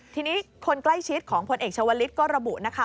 ทีนี้คนใกล้ชิดของพลเอกชาวลิศก็ระบุนะคะ